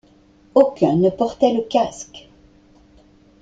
Aucun ne portait le casque.